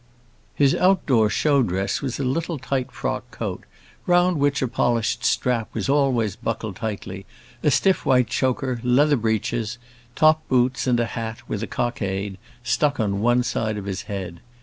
His out door show dress was a little tight frock coat, round which a polished strap was always buckled tightly, a stiff white choker, leather breeches, top boots, and a hat, with a cockade, stuck on one side of his head.